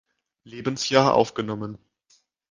Lebensjahr aufgenommen.